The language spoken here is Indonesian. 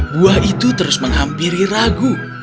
buah itu terus menghampiri ragu